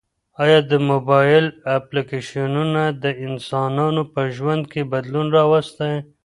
ایا د موبایل اپلیکیشنونه د انسانانو په ژوند کې بدلون راوستی؟